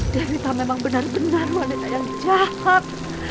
dan kita memang benar benar wanita yang jahat